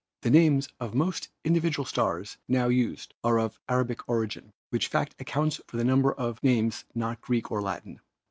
The names of most individual stars now used are of Arabic origin, which fact accounts for the number of names not Greek or Latin.